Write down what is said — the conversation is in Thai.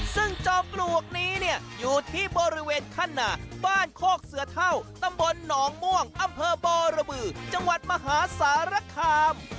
ซึ่งจอมปลวกนี้เนี่ยอยู่ที่บริเวณขั้นหนาบ้านโคกเสือเท่าตำบลหนองม่วงอำเภอบรบือจังหวัดมหาสารคาม